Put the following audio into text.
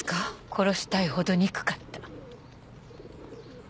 殺したいほど憎かった。